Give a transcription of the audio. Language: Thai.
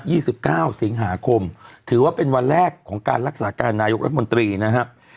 สิบเก้าสิงหาคมถือว่าเป็นวันแรกของการรักษาการนายกรัฐมนตรีนะครับ